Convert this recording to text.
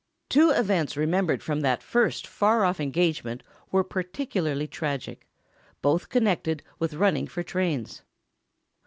Two events remembered from that first far off engagement were particularly tragic, both connected with running for trains.